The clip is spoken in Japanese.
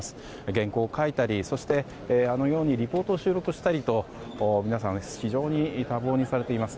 原稿を書いたりそして、リポートを収録したりと皆さん、非常に多忙にされています。